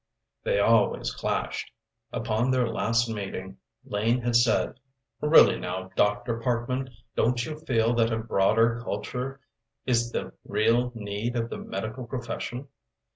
They always clashed; upon their last meeting Lane had said "Really now, Dr. Parkman, don't you feel that a broader culture is the real need of the medical profession?"